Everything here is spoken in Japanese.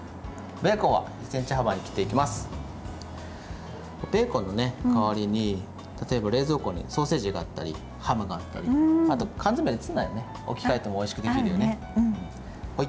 ベーコンの代わりに冷蔵庫にソーセージがあったりハムがあったりあと缶詰のツナに置き換えてもおいしくできるよね。